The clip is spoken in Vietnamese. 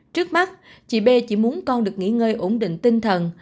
trước mắt chị b chỉ muốn con được nghỉ ngơi ổn định tinh thần